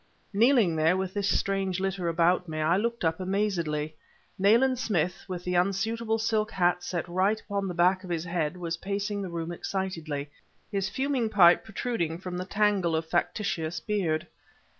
Kneeling there with this strange litter about me, I looked up amazedly. Nayland Smith, with the unsuitable silk hat set right upon the back of his head, was pacing the room excitedly, his fuming pipe protruding from the tangle of factitious beard.